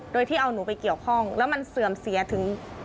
โดยที่เอาหนูไปเกี่ยวข้องแล้วมันเสื่อมเสียถึง